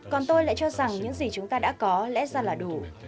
còn tôi lại cho rằng những gì chúng ta đã có lẽ ra là đủ